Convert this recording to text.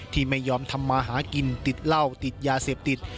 ที่ไม่ยอมทำมาหากินติดเหล้าติดยาเสพติด